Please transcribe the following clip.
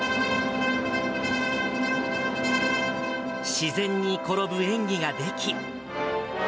自然に転ぶ演技ができ。